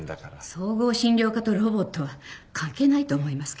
総合診療科とロボットは関係ないと思いますけど。